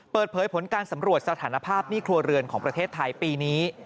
เปิดเผยผลการสำรวจสถานภาพหนี้ครัวเรือนของประเทศไทยปีนี้